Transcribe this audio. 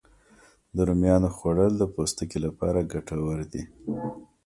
د رومیانو خوړل د پوستکي لپاره ګټور دي